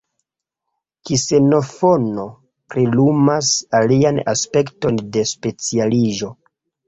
Ksenofono prilumas alian aspekton de specialiĝo.